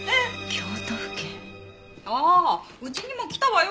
ああうちにも来たわよ